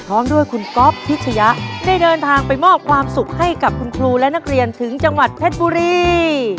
พร้อมด้วยคุณก๊อฟพิชยะได้เดินทางไปมอบความสุขให้กับคุณครูและนักเรียนถึงจังหวัดเพชรบุรี